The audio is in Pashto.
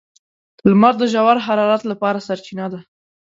• لمر د ژور حرارت لپاره سرچینه ده.